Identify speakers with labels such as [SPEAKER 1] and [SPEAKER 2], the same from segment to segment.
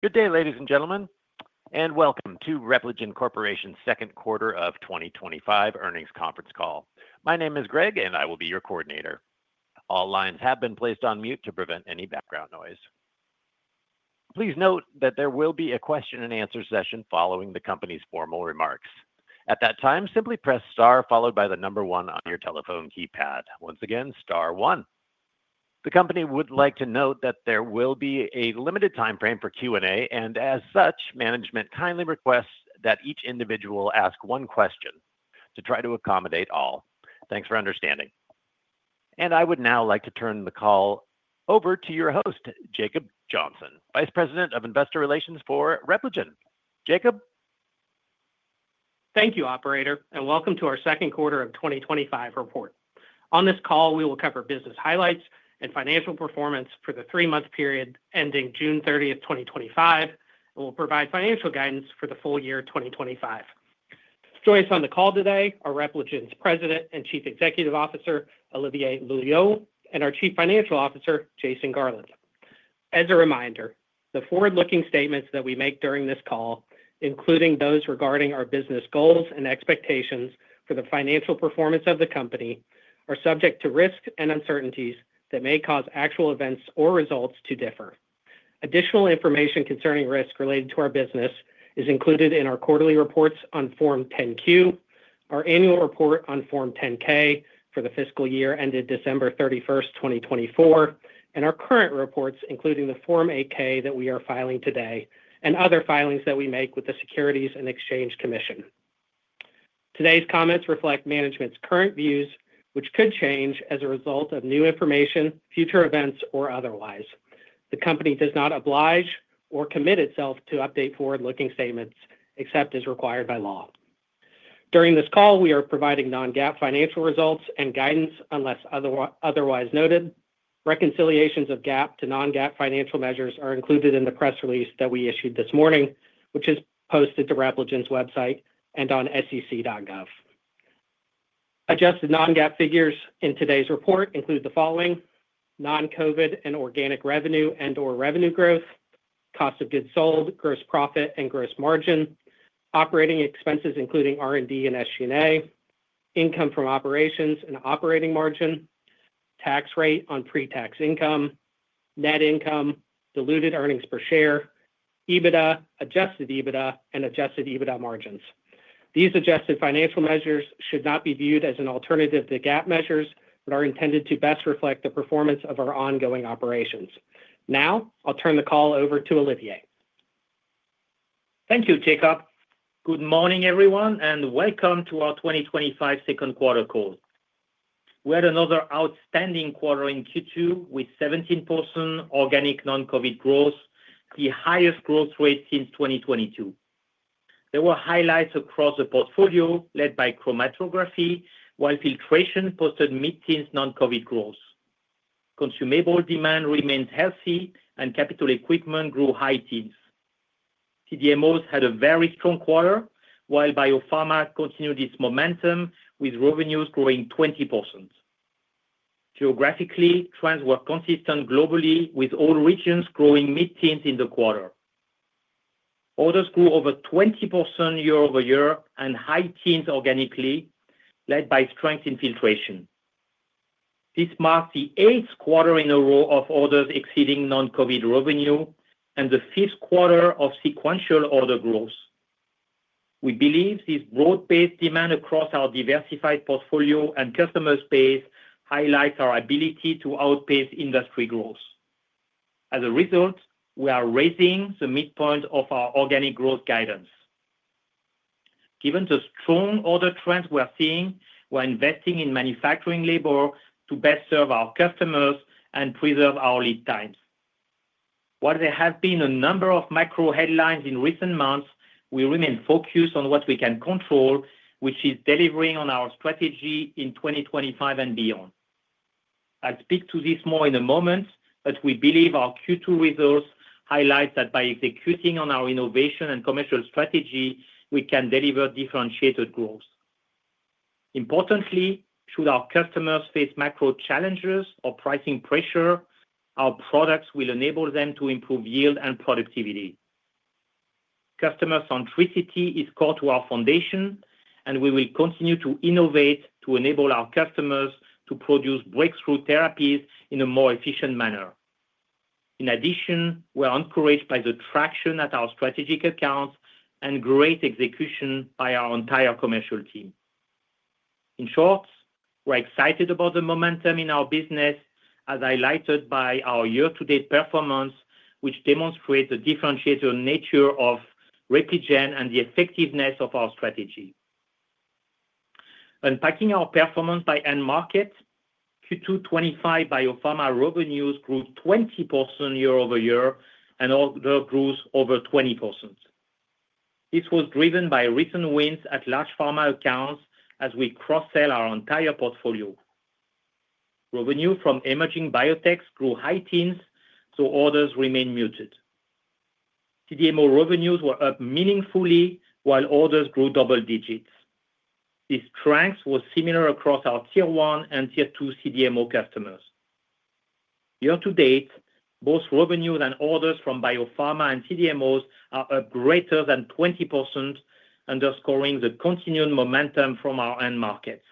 [SPEAKER 1] Good day, ladies and gentlemen, and welcome to Repligen Corporation Second Quarter of 2025 Earnings Conference Call. My name is Greg, and I will be your coordinator. All lines have been placed on mute to prevent any background noise. Please note that there will be a Question And Answer Session following the Company's formal remarks. At that time, simply press STAR followed by the number one on your telephone keypad. Once again, STAR one. The Company would like to note that there will be a limited time frame for Q&A, and as such, management kindly requests that each individual ask one question to try to accommodate all. Thanks for understanding, and I would now like to turn the call over to your host, Jacob Johnson, Vice President of Investor Relations for Repligen.
[SPEAKER 2] Jacob, thank you, Operator, and welcome to our Second Quarter of 2025 Report. On this call, we will cover business highlights and financial performance for the three-month period ending June 30, 2025, and we'll provide financial guidance for the full year 2025. Joining us on the call today are Repligen's President and Chief Executive Officer, Olivier Loeillot and our Chief Financial Officer, Jason Garland. As a reminder, the forward-looking statements that we make during this call, including those regarding our business goals and expectations for the financial performance of the Company, are subject to risks and uncertainties that may cause actual events or results to differ. Additional information concerning risks related to our business is included in our quarterly reports on Form 10-Q, our annual report on Form 10-K for the fiscal year ended December 31, 2024, and our current reports, including the Form 8-K that we are filing today and other filings that we make with the Securities and Exchange Commission. Today's comments reflect management's current views, which could change as a result of new information, future events, or otherwise. The company does not oblige or commit itself to update forward-looking statements except as required by law. During this call, we are providing non-GAAP financial results and guidance unless otherwise noted. Reconciliations of GAAP to non-GAAP financial measures are included in the press release that we issued this morning, which is posted to Repligen's website and on sec.gov. Adjusted non-GAAP figures in today's report include the non-COVID and organic revenue and our revenue growth, cost of goods sold, gross profit and gross margin, operating expenses including R&D, SG&A, income from operations and operating margin, tax rate on pre-tax income, net income, diluted earnings per share, EBITDA, Adjusted EBITDA, and Adjusted EBITDA margins. These adjusted financial measures should not be viewed as an alternative to GAAP measures, but are intended to best reflect the performance of our ongoing operations. Now I'll turn the call over to Olivier.
[SPEAKER 3] Thank you, Jacob. Good morning, everyone and welcome to our 2025 Second Quarter call. We had another outstanding quarter in Q2 with 17% organic non-COVID growth, the highest growth rate since 2022. There were highlights across the portfolio led by Chromatography, while Filtration posted mid-teens non-COVID growth. Consumable demand remained healthy and capital equipment grew high-teens. CDMOs had a very strong quarter while biopharma continued its momentum with revenues growing 20%. Geographically, trends were consistent globally with all regions growing mid-teens in the quarter. Orders grew over 20% year-over-year and high teens organically, led by strength in Filtration. This marks the eighth quarter in a row of Orders exceeding non-COVID Revenue and the fifth quarter of sequential order growth. We believe this broad-based demand across our diversified portfolio and customer base highlights our ability to outpace industry growth. As a result, we are raising the Midpoint of our organic growth Guidance. Given the strong order trends we are seeing, we are investing in manufacturing labor to best serve our customers and preserve our lead times. While there have been a number of macro headlines in recent months, we remain focused on what we can control, which is delivering on our strategy in 2025 and beyond. I'll speak to this more in a moment, but we believe our Q2 results highlight that by executing on our innovation and commercial strategy, we can deliver differentiated growth. Importantly, should our customers face macro challenges or pricing pressure, our products will enable them to improve yield and productivity. Customer-centricity is core to our foundation, and we will continue to innovate to enable our customers to produce breakthrough therapies in a more efficient manner. In addition, we are encouraged by the traction at our strategic accounts and great execution by our entire commercial team. In short, we're excited about the momentum in our business as highlighted by our year-to-date performance, which demonstrates the differentiated nature of Repligen and the effectiveness of our strategy. Unpacking our performance by end-market, Q2 2025 biopharma revenues grew 20% year-over-year and orders grew over 20%. This was driven by recent wins at large pharma accounts as we cross-sell our entire portfolio. Revenue from emerging biotechs grew high-teens, though orders remained muted. CDMO revenues were up meaningfully while orders grew double digits. This strength was similar across our Tier 1 and Tier 2 CDMO customers year to date. Both revenues and orders from biopharma and CDMOs are up greater than 20%, underscoring the continued momentum from our end markets.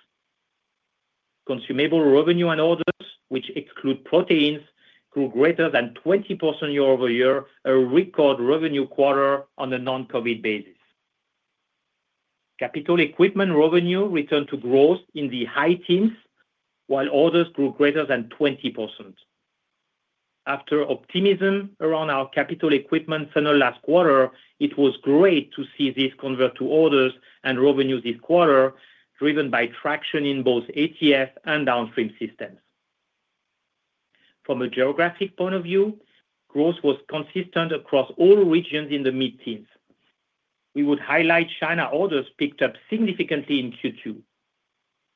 [SPEAKER 3] Consumable revenue and orders, which exclude Proteins, grew greater than 20% year-over-year, a record revenue quarter on a non-COVID basis. Capital equipment revenue returned to growth in the high teens while orders grew greater than 20%. After optimism around our capital equipment center last quarter, it was great to see this convert to orders and revenue this quarter, driven by traction in both ATF and Downstream Systems. From a geographic point of view, growth was consistent across all regions in the mid-teens. We would highlight China. Orders picked up significantly in Q2.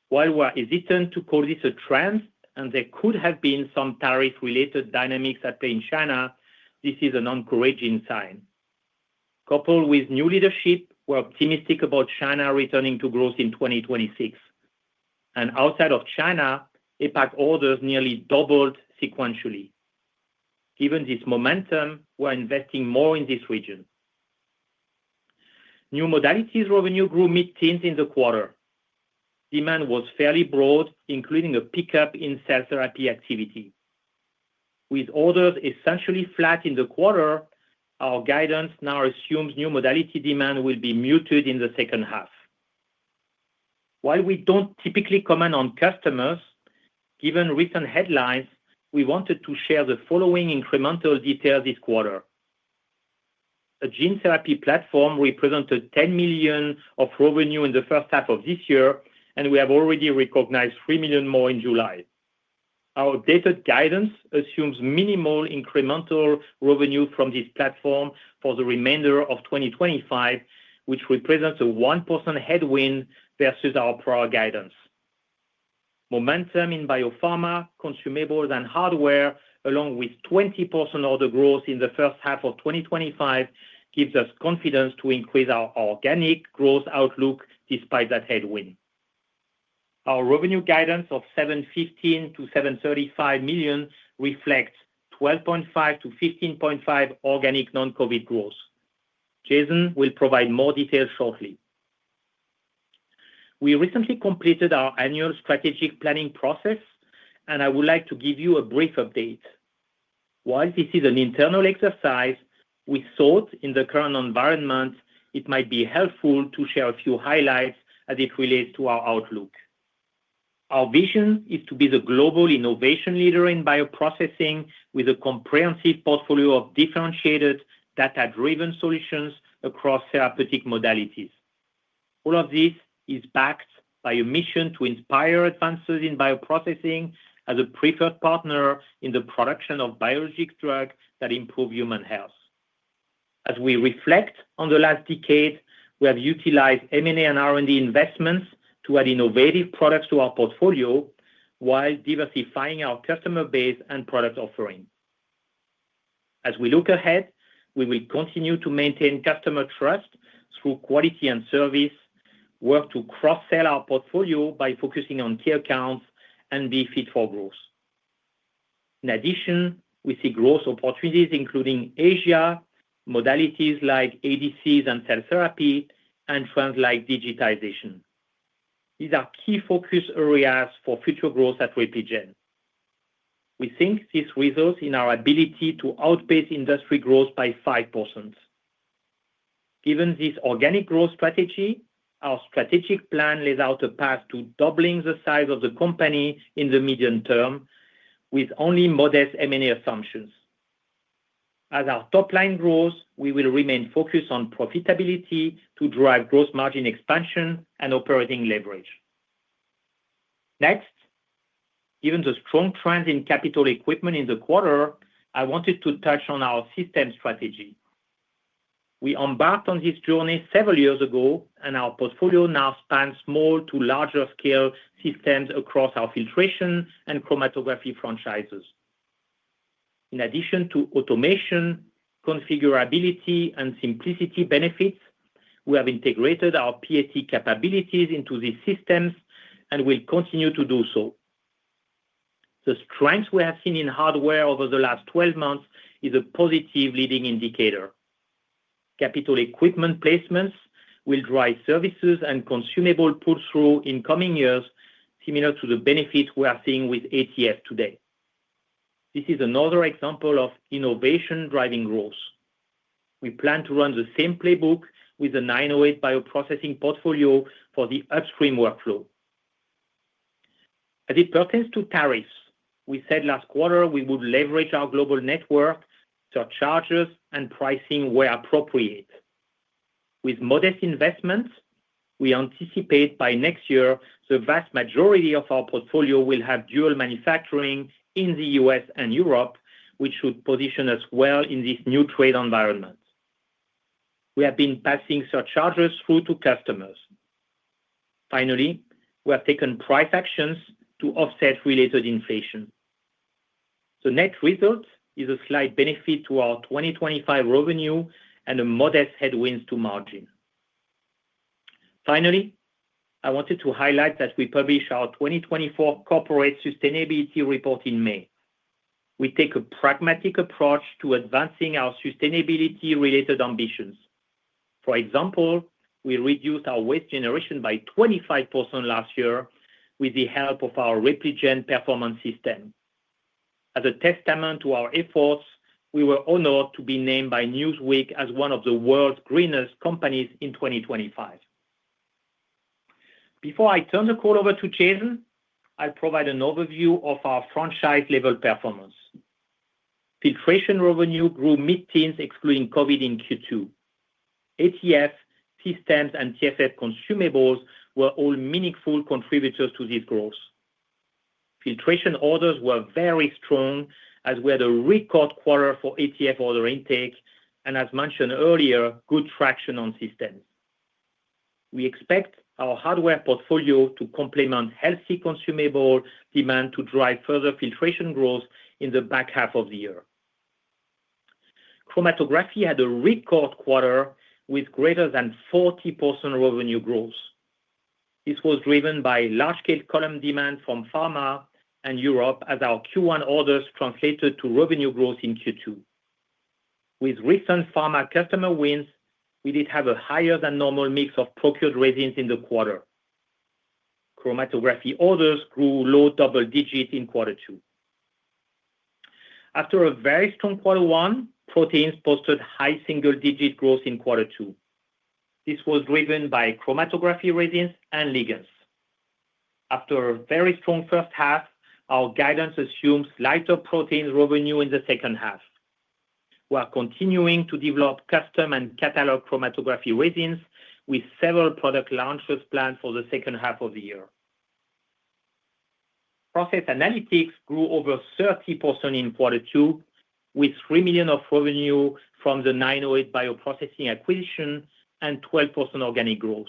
[SPEAKER 3] While we're hesitant to call this a trend and there could have been some tariff-related dynamics at play in China, this is an encouraging sign. Coupled with new leadership, we're optimistic about China returning to growth in 2026 and Outside of China, APAC orders nearly doubled sequentially. Given this momentum, we're investing more in this region. New Modalities Revenue grew mid-teens in the quarter. Demand was fairly broad, including a pickup in cell therapy activity. With orders essentially flat in the quarter, our guidance now assumes New Modality Demand will be muted in the second half. While we don't typically comment on customers, given recent headlines, we wanted to share the following incremental details this quarter. A gene therapy platform represented $10 million of revenue in the first half of this year and we have already recognized $3 million more in July. Our dated guidance assumes minimal incremental revenue from this platform for the remainder of 2025, which represents a 1% headwind versus our prior guidance. Momentum in biopharma, consumables and hardware, along with 20% order growth in the first half of 2025 gives us confidence to increase our organic growth outlook. Despite that headwind, our revenue guidance of $715-$735 million reflects 12.5%-15.5% organic non-COVID growth. Jason will provide more details shortly. We recently completed our annual strategic planning process and I would like to give you a brief update. While this is an internal exercise, we thought in the current environment it might be helpful to share a few highlights as it relates to our outlook. Our vision is to be the global innovation leader in bioprocessing with a comprehensive portfolio of differentiated data-driven solutions across therapeutic modalities. All of this is backed by a mission to inspire advances in bioprocessing as a preferred partner in the production of Biologic Drugs that improve human health. As we reflect on the last decade, we have utilized M&A and R&D investments to add innovative products to our portfolio while diversifying our customer base and product offerings. As we look ahead, we will continue to maintain customer trust through quality and service, work to cross-sell our portfolio by focusing on key accounts, and be fit for growth. In addition, we see growth opportunities including APAC, modalities like ADCs and Cell Therapy, and trends like digitization. These are key focus areas for future growth at Repligen. We think this results in our ability to outpace industry growth by 5%. Given this organic growth strategy, our strategic plan lays out a path to doubling the size of the Company in the medium term with only modest M&A assumptions. As our top line grows, we will remain focused on profitability to drive gross margin expansion and operating leverage. Next, given the strong trends in capital equipment in the quarter, I wanted to touch on our System Strategy. We embarked on this journey several years ago and our portfolio now spans small to larger scale systems across our Filtration and Fluid Management and Chromatography franchises. In addition to automation, configurability, and simplicity benefits, we have integrated our Process Analytics capabilities into these systems and will continue to do so. The strength we have seen in hardware over the last 12 months is a positive leading indicator. Capital equipment placements will drive services and consumable pull-through in coming years, similar to the benefit we are seeing with ATF systems today. This is another example of innovation driving growth. We plan to run the same playbook with the 908 Devices bioprocessing portfolio for the upstream workflow. As it pertains to tariffs, we said last quarter we would leverage our global network, surcharges, and pricing where appropriate with modest investments. We anticipate by next year the vast majority of our portfolio will have dual manufacturing in the U.S. and Europe, which should position us well in this new trade environment. We have been passing surcharges through to customers. Finally, we have taken price actions to offset related inflation. The net result is a slight benefit to our 2025 revenue and a modest headwind to margin. Finally, I wanted to highlight that we published our 2024 Corporate Sustainability Report in May. We take a pragmatic approach to advancing our sustainability-related ambitions. For example, we reduced our waste generation by 25% last year with the help of our Repligen Performance System. As a testament to our efforts, we were honored to be named by Newsweek as one of the World's Greenest Companies in 2025. Before I turn the call over to Jason, I will provide an overview of our franchise-level performance. Filtration revenue grew mid-teens excluding COVID in Q2. ATF systems and TFF consumables were all meaningful contributors to this growth. Filtration orders were very strong as we had a record quarter for ATF order intake and, as mentioned earlier, good traction on systems. We expect our hardware portfolio to complement healthy consumable demand to drive further filtration growth in the back half of the year. Chromatography had a record quarter with greater than 40% revenue growth. This was driven by large-scale column demand from pharma and Europe as our Q1 orders translated to revenue growth in Q2. With recent pharma customer wins, we did have a higher than normal mix of procured resins in the quarter. Chromatography orders grew low double-digit in Q2 after a very strong Q1. Proteins posted high single-digit growth in Q2. This was driven by chromatography resins and ligands after a very strong first half. Our guidance assumes lighter proteins revenue in the second half. We are continuing to develop custom and catalog chromatography resins with several product launches planned for the second half of the year. Process Analytics grew over 30% in Q2 with $3 million of revenue from the 908 Devices bioprocessing acquisition and 12% organic growth.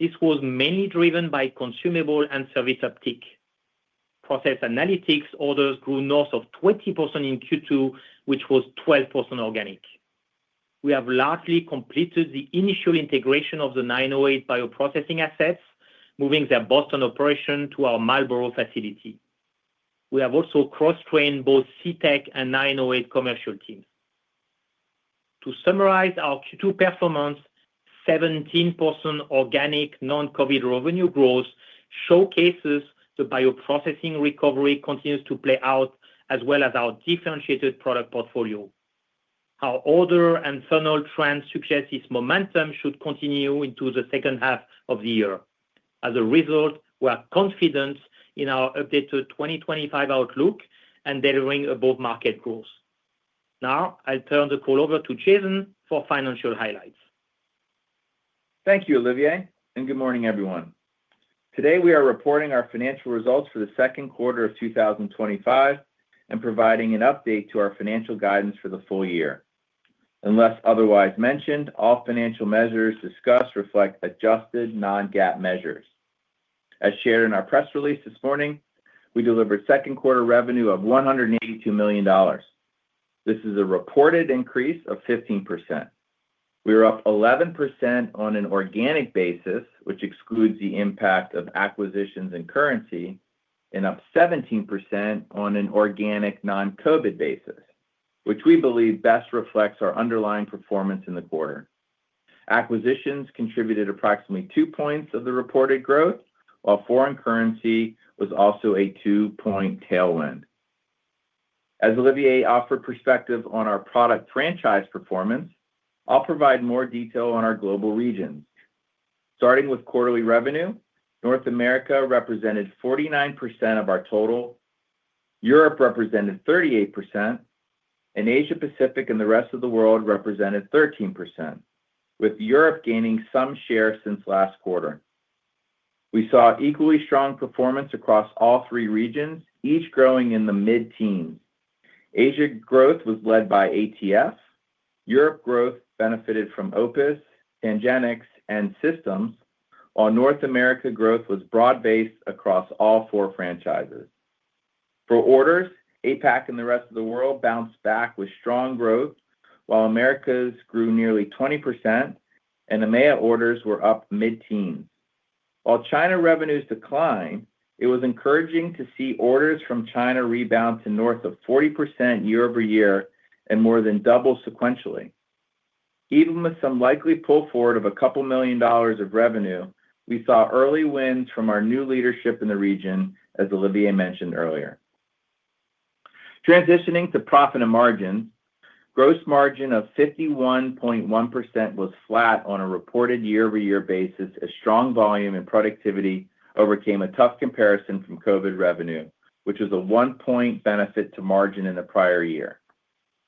[SPEAKER 3] This was mainly driven by consumable and service uptick. Process Analytics orders grew north of 20% in Q2, which was 12% organic. We have largely completed the initial integration of the 908 Devices bioprocessing assets, moving their Boston operation to our Marlboro facility. We have also cross-trained both CTEC and 908 Devices commercial teams. To summarize our Q2 performance, 17% organic non-COVID revenue growth showcases the bioprocessing recovery continues to play out as well as our differentiated product portfolio. Our order and funnel trend suggests this momentum should continue into the second half of the year. As a result, we are confident in our updated 2025 outlook and delivering above market growth. Now I'll turn the call over to Jason for financial highlights.
[SPEAKER 4] Thank you, Olivier, and good morning, everyone. Today we are reporting our financial results for the second quarter of 2025 and providing an update to our financial guidance for the full year. Unless otherwise mentioned, all financial measures discussed reflect adjusted non-GAAP measures. As shared in our press release this morning, we delivered second quarter revenue of $182 million. This is a reported increase of 15%. We were up 11% on an organic basis, which excludes the impact of acquisitions and currency, and up 17% on an organic non-COVID basis, which we believe best reflects our underlying performance in the quarter. Acquisitions contributed approximately two points of the reported growth, while foreign currency was also a two-point tailwind. As Olivier offered perspective on our product franchise performance, I'll provide more detail on our global regions, starting with quarterly revenue. North America represented 49% of our total, Europe represented 38%, and Asia Pacific and the rest of the world represented 13%, with Europe gaining some share since last quarter. We saw equally strong performance across all three regions, each growing in the mid-teens. Asia growth was led by ATF, Europe growth benefited from Opus, TangenX and Systems, while North America growth was broad-based across all four franchises. For orders, APAC and the rest of the world bounced back with strong growth, while Americas grew nearly 20% and EMEA orders were up mid-teens, while China revenues declined. It was encouraging to see orders from China rebound to north of 40% year-over-year and more than double sequentially. Even with some likely pull forward of a couple million dollars of revenue, we saw early wins from our new leadership in the region. As Olivier mentioned earlier, transitioning to profit and margins, gross margin of 51.1% was flat on a reported year-over-year basis as strong volume and productivity overcame a tough comparison from COVID revenue, which was a one-point benefit to margin in the prior year.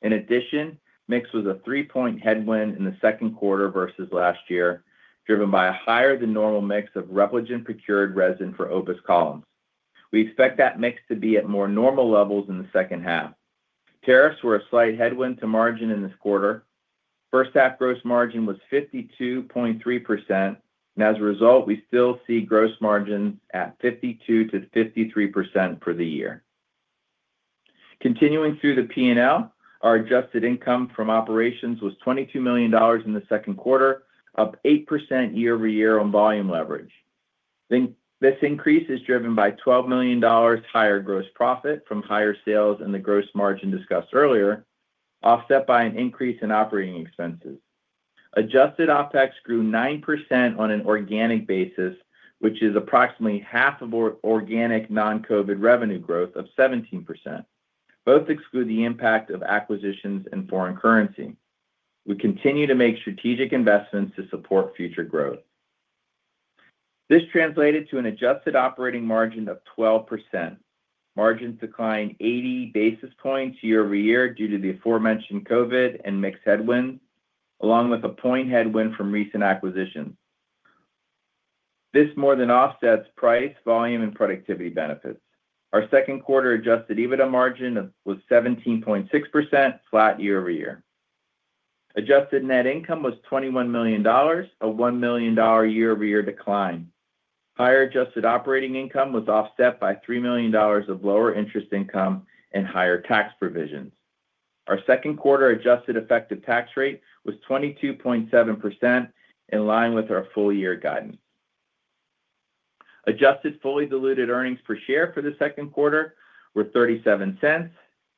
[SPEAKER 4] In addition, mix was a three-point headwind in the second quarter versus last year, driven by a higher-than-normal mix of Repligen-procured resin for Opus columns. We expect that mix to be at more normal levels in the second half. Tariffs were a slight headwind to margin in this quarter. First half gross margin was 52.3%, and as a result, we still see gross margins at 52% to 53% for the year. Continuing through the P&L, our adjusted income from operations was $22 million in the second quarter, up 8% year-over-year on volume leverage. This increase is driven by $12 million higher gross profit from higher sales and the gross margin discussed earlier, offset by an increase in operating expenses. Adjusted OpEx grew 9% on an organic basis, which is approximately half of organic non-COVID revenue growth of 17%. Both exclude the impact of acquisitions and foreign currency. We continue to make strategic investments to support future growth. This translated to an adjusted operating margin of 12%. Margins declined 80 basis points year-over-year due to the aforementioned COVID and mix headwinds, along with a point headwind from recent acquisitions. This more than offset price, volume, and productivity benefits. Our second quarter adjusted EBITDA margin was 17.6%, flat year-over-year. Adjusted net income was $21 million, a $1 million year-over-year decline. Higher adjusted operating income was offset by $3 million of lower interest income and higher tax provisions. Our second quarter adjusted-effective tax rate was 22.7%, in line with our full year guidance. Adjusted fully diluted earnings per share for the second quarter were $0.37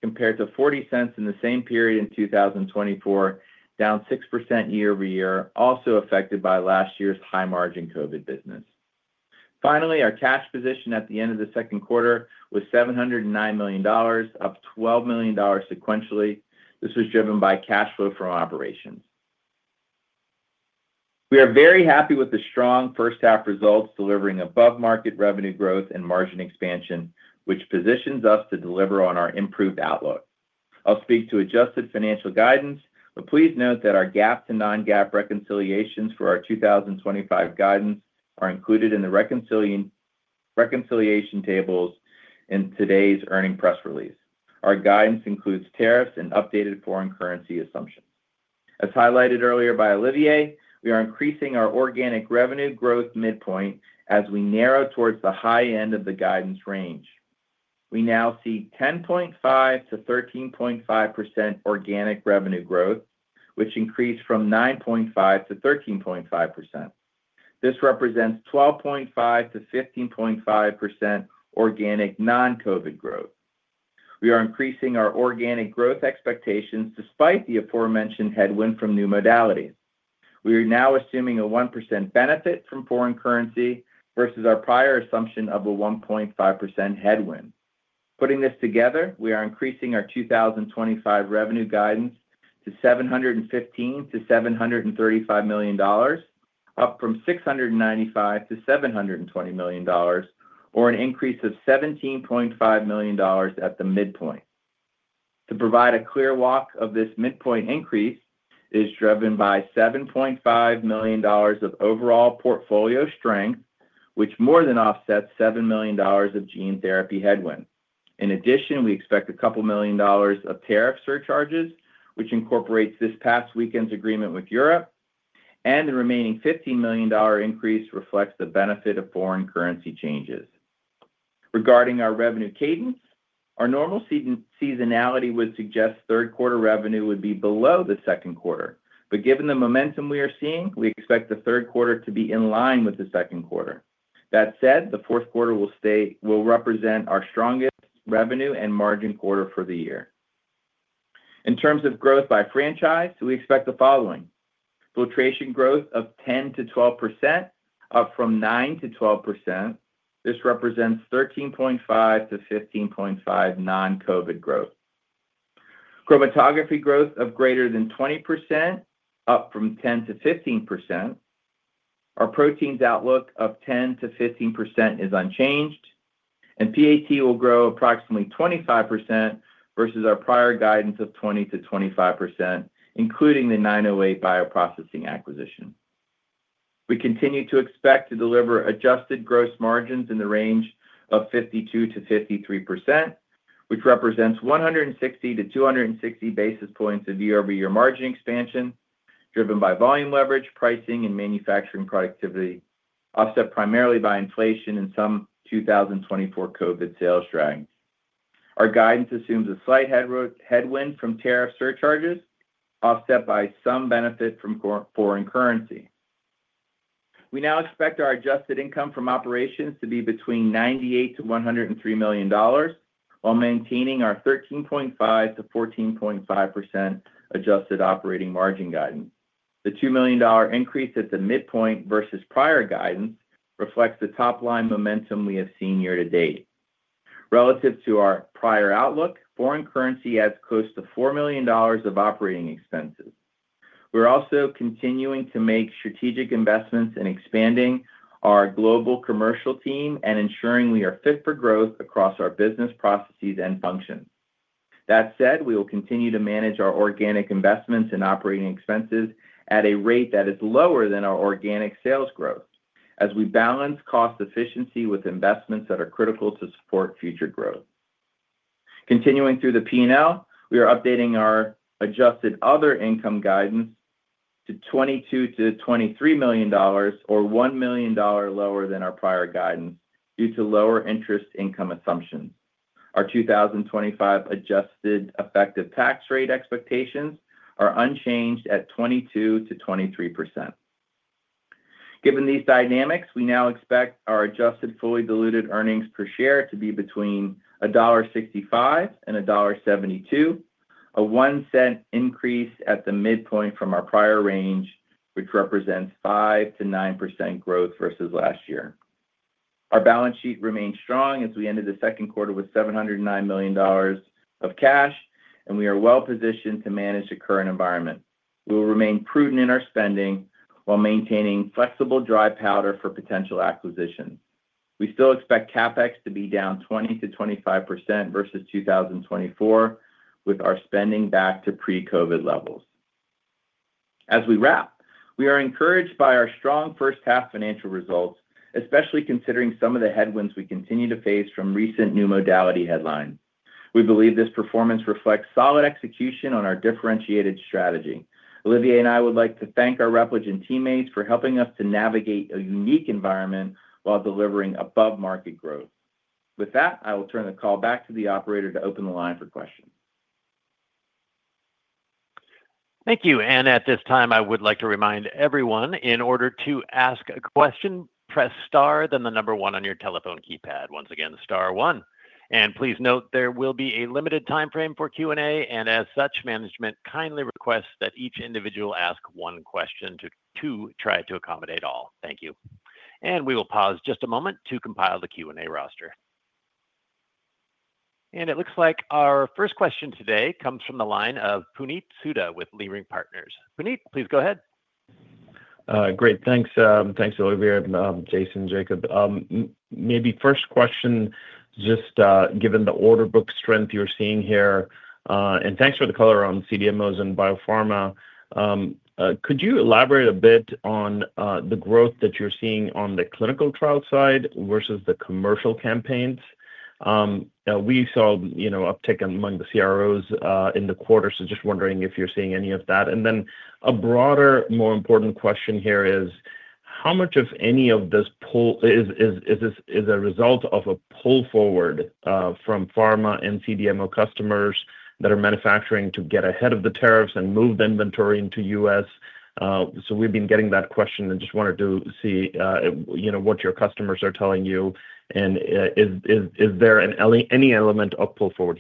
[SPEAKER 4] compared to $0.40 in the same period in 2024, down 6% year-over-year, also affected by last year's high-margin COVID business. Finally, our cash position at the end of the second quarter was $709 million, up $12 million sequentially. This was driven by cash flow from operations. We are very happy with the strong first half results delivering above market revenue growth and margin expansion, which positions us to deliver on our improved outlook. I'll speak to adjusted financial guidance, but please note that our GAAP to non-GAAP reconciliations for our 2025 guidance are included in the Reconciliation-Tables in today's earnings press release. Our guidance includes tariffs and updated-foreign-currency assumptions. As highlighted earlier by Olivier, we are increasing our organic-revenue growth midpoint. As we narrow towards the high end of the guidance range, we now see 10.5% to 13.5% organic-revenue-growth, which increased from 9.5% to 13.5%. This represents 12.5% to 15.5% organic non-COVID growth. We are increasing our organic-growth expectations despite the aforementioned headwind from new-modalities. We are now assuming a 1% benefit from foreign currency versus our prior assumption of a 1.5% headwind. Putting this together, we are increasing our 2025-revenue guidance to $715 to $735 million, up from $695 to $720 million, or an increase of $17.5 million at the midpoint. To provide a clear walk of this, the midpoint increase is driven by $7.5 million of overall-portfolio strength, which more than offsets $7 million of gene-therapy headwind. In addition, we expect a couple-million dollars of tariff surcharges, which incorporates this past weekend's agreement with Europe, and the remaining $15 million increase reflects the benefit of foreign-currency changes. Regarding our revenue cadence, our normal seasonality would suggest third-quarter revenue would be below the second-quarter, but given the momentum we are seeing, we expect the third-quarter to be in line with the second-quarter. That said, the fourth-quarter will represent our strongest revenue and margin quarter for the year. In terms of growth by franchise, we expect the following: Filtration and Fluid Management growth of 10%-12%, up from 9%-12%. This represents 13.5%-15.5% non-COVID-revenue growth. Chromatography growth of greater than 20%, up from 10%-15%. Our Proteins outlook of 10% to 15% is unchanged, and Process Analytics will grow approximately 25% versus our prior guidance of 20% to 25%, including the 908 Devices Bioprocessing acquisition. We continue to expect to deliver Adjusted-Gross Margins in the range of 52% to 53%, which represents 160 to 260 basis points of year-over-year margin expansion driven by volume-leverage, pricing, and manufacturing-productivity, offset primarily by inflation and some 2024 COVID sales drag. Our guidance assumes a slight headwind from tariff surcharges, offset by some benefit from foreign currency. We now expect our Adjusted Income from Operations to be between $98 to $103 million while maintaining our 13.5% to 14.5% Adjusted Operating Margin Guidance. The $2 million increase at the midpoint versus prior guidance reflects the top-line momentum we have seen year-to-date relative to our prior outlook. Foreign-currency adds close to $4 million of operating expenses. We're also continuing to make strategic investments in expanding our global commercial team and ensuring we are fit for growth across our business processes and functions. That said, we will continue to manage our organic investments and operating expenses at a rate that is lower than our organic sales growth as we balance cost efficiency with investments that are critical to support future growth. Continuing through the P&L, we are updating our Adjusted Other Income Guidance to $22-$23 million, or $1 million-lower than our prior guidance due to lower interest income assumptions. Our 2025 Adjusted Effective Tax Rate Expectations are unchanged at 22%-23%. Given these dynamics, we now expect our Adjusted Fully Diluted Earnings Per Share to be between $1.65-$1.72, a $0.01 increase at the midpoint from our prior range, which represents 5%-9% growth versus last year. Our balance sheet remains strong as we ended the second quarter with $709 million of cash, and we are well positioned to manage the current environment. We will remain prudent in our spending while maintaining flexible dry powder for potential acquisitions. We still expect CapEx to be down 20% to 25% versus 2024, with our spending back to pre-COVID levels as we wrap. We are encouraged by our strong first half financial results, especially considering some of the headwinds we continue to face from recent New Modality headlines. We believe this performance reflects solid execution on our differentiated strategy. Olivier and I would like to thank our Repligen teammates for helping us to navigate a unique environment while delivering above-market growth. With that, I will turn the call back to the operator to open the line for questions.
[SPEAKER 1] Thank you. At this time I would like to remind everyone, in order to ask a question, press star, then the number one on your telephone keypad. Once again, star one. Please note there will be a limited time frame for Q&A, and as such, management kindly requests that each individual ask one question to try to accommodate all. Thank you. We will pause just a moment to compile the Q&A roster. It looks like our first question today comes from the line of Puneet Souda with Leerink Partners. Puneet, please go ahead.
[SPEAKER 5] Great. Thanks. Thanks. Olivier, Jason, Jacob, maybe first question just given the order-book strength you're seeing here, and thanks for the color on CDMOs and biopharma, could you elaborate a bit on the growth that you're seeing on the clinical-trial side versus the commercial campaigns? We saw uptick among the CROs in the quarter, just wondering if you're seeing any of that. A broader, more important question here is how much, if any, of this pull is a result of a pull-forward from pharma and CDMO customers that are manufacturing to get ahead of the tariffs and move the inventory into U.S.. We've been getting that question and just wanted to see what your customers are telling you and if there is any element of pull forward.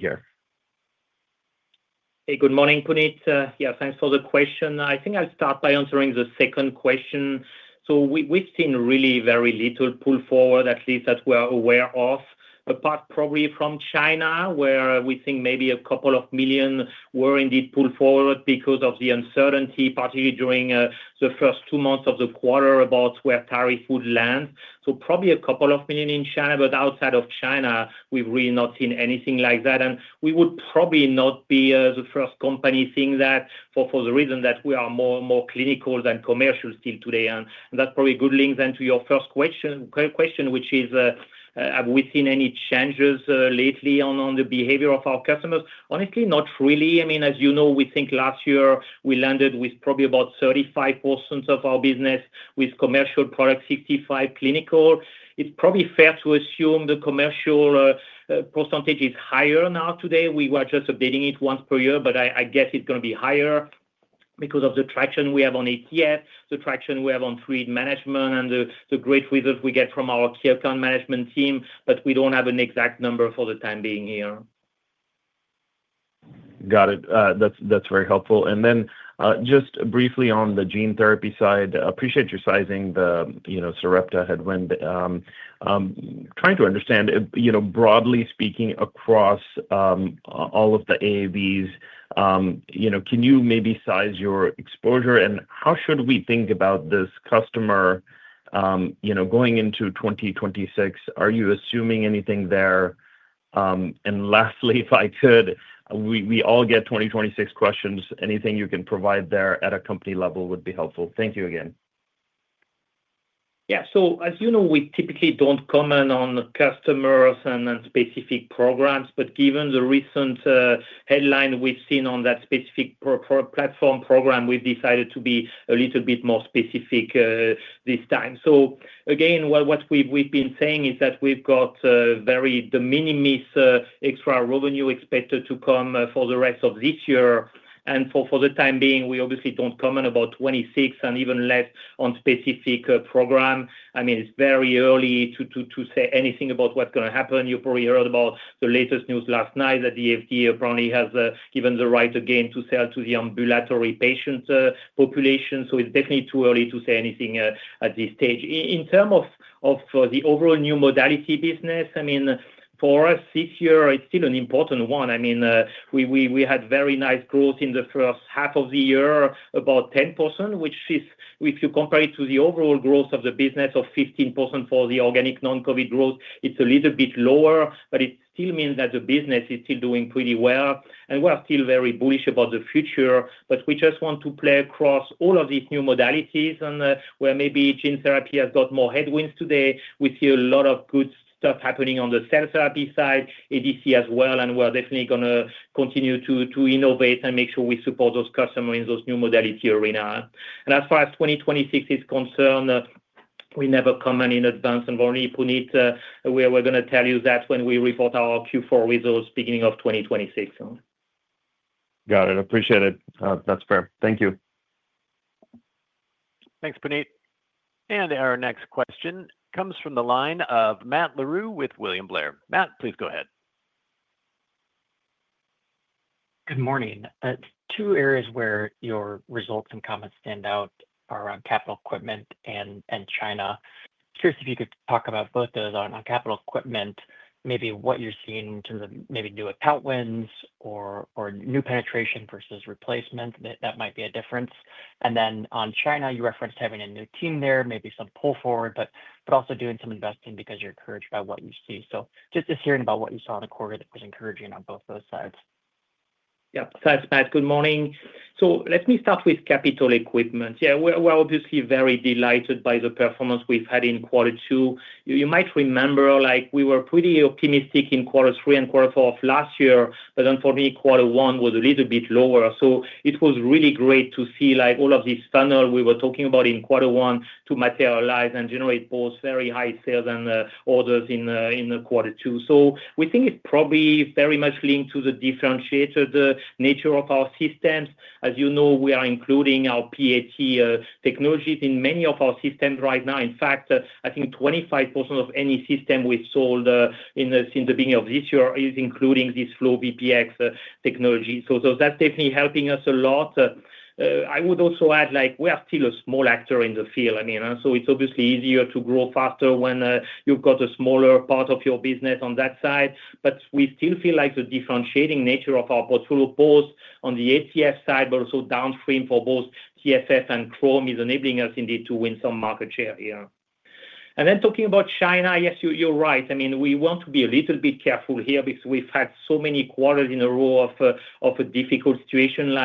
[SPEAKER 3] Good morning, Puneet. Yeah, thanks for the question. I think I'll start by answering the second question. We've seen really very little pull-forward, at least that we are aware of, apart probably from China, where we think maybe a couple of million were indeed pulled forward because of the uncertainty, particularly during the first two months of the quarter about where tariffs would land. Probably a couple of million in China, but outside of China we've really not seen anything like that. We would probably not be the first company to think that for the reason that we are more clinical than commercial still today. That is probably a good link then to your first question, which is have we seen any changes lately on the behavior of our customers? Honestly, not really. I mean, as you know, we think last year we landed with probably about 35% of our business with commercial products, 65% clinical. It's probably fair to assume the commercial percentage is higher now. Today we were just updating it once per year, but I guess it's going to be higher because of the traction we have on ATF systems, the traction we have on Filtration and Fluid Management, and the great results we get from our key account management team. We don't have an exact number for the time being here.
[SPEAKER 5] Got it. That's very helpful. Just briefly on the gene therapy side, appreciate your sizing the Sarepta headwind. Trying to understand broadly speaking across all of the AAV platforms, can you maybe size your exposure? How should we think about this customer going into 2026? Are you assuming anything there? Lastly, if I could, we all get 2026 questions. Anything you can provide there at a company level would be helpful. Thank you again.
[SPEAKER 3] Yeah. As you know, we typically don't comment on customers and specific programs, but given the recent headline we've seen on that specific program platform program, we've decided to be a little bit more specific this time. Again, what we've been saying is that we've got very de minimis extra revenue expected to come for the rest of this year and for the time being we obviously don't comment about 2026 and even less on specific program. I mean it's very early to say anything about what's going to happen. You probably heard about the latest news last night that the FDA apparently has given the right again to sell to the ambulatory patient population. It's definitely too early to say anything at this stage in terms of the overall New Modality business. For us this year it's still an important one. We had very nice growth in the first half of the year, about 10%, which is if you compare it to the overall growth of the business of 15%. For the organic non-COVID growth, it's a little bit lower. It still means that the business is still doing pretty well and we're still very bullish about the future. We just want to play across all of these new modalities where maybe gene therapy has got more headwinds. Today we see a lot of good stuff happening on the cell therapy side, ADC as well. We're definitely going to continue to innovate and make sure we support those customers in those New Modality arena. As far as 2026 is concerned, we never comment in advance and only point. We're going to tell you that when we report our Q4 results beginning of 2026.
[SPEAKER 5] Got it. Appreciate it. That's fair. Thank you.
[SPEAKER 3] Thank you, Puneet.
[SPEAKER 1] Our next question comes from the line of Matt LaRue with William Blair. Matt, please go ahead.
[SPEAKER 6] Good morning. Two areas where your results and comments stand out are around Capital Equipment and China. Curious if you could talk about both those. On Capital Equipment, maybe what you're seeing in terms of maybe new account wins or new penetration versus replacement, that might be a difference. On China, having a new team there, maybe some pull forward but also doing some investing because you're encouraged. By what you see. Just hearing about what you saw in the quarter that was encouraging on both those sides.
[SPEAKER 3] Yeah, thanks Matt. Good morning. Let me start with capital equipment. We're obviously very delighted by the performance we've had in quarter two. You might remember we were pretty optimistic in Q3 and Q4 of last year, but unfortunately quarter one was a little bit lower. It was really great to see all of this funnel we were talking about in Q1 materialize and generate both very high sales and orders in Q2. We think it's probably very much linked to the differentiated nature of our systems. As you know, we are including our PAT technologies in many of our systems right now. In fact, I think 25% of any system we sold since the beginning of this year is including this FlowVPX technology. That's definitely helping us a lot. I would also add we are still a small actor in the field, so it's obviously easier to grow faster when you've got a smaller part of your business on that side. We still feel like the differentiating nature of our portfolio, both on the ATF side but also downstream for both Filtration and Fluid Management and Chromatography, is enabling us indeed to win some market share here. Talking about China, yes, you're right, we want to be a little bit careful here because we've had so many quarters in a row of a difficult situation.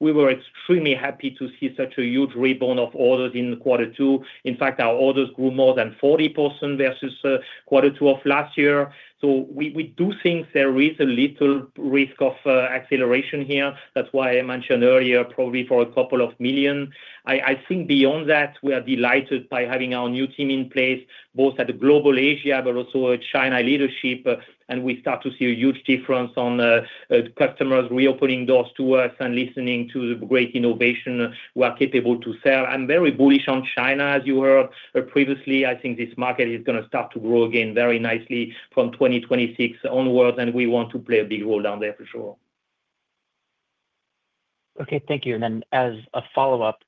[SPEAKER 3] We were extremely happy to see such a huge rebound of orders in Q2. In fact, our orders grew more than 40% versus quarter two of last year. We do think there is a little risk of acceleration here. That's why I mentioned earlier probably for a couple of million. I think beyond that we are delighted by having our new team in place both at the Global Asia but also China leadership. We start to see a huge difference on the customers re-opening doors to us and listening to the great innovation we are capable to sell. I'm very bullish on China as you heard previously. I think this market is going to start to grow again very nicely from 2026 onwards and we want to play a big role down there for sure.
[SPEAKER 6] Thank you. As a follow up,